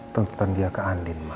tentang dia ke andin ma